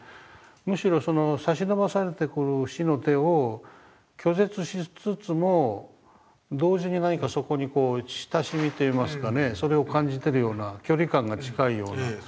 むしろ差しのばされてくる死の手を拒絶しつつも同時に何かそこにこう親しみといいますかねそれを感じてるような距離感が近いような。